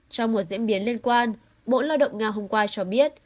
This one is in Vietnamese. trong một diễn biến liên quan bộ lao động nga hôm qua cho biết